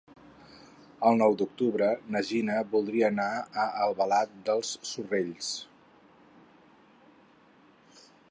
El nou d'octubre na Gina voldria anar a Albalat dels Sorells.